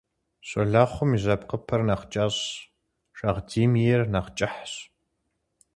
Щолэхъум и жьэпкъыпэр нэхъ кӀэщӀщ, шагъдийм ейр нэхъ кӀыхьщ.